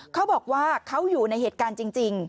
เขาบอกว่าเขาอยู่ในเหตุการณ์จริง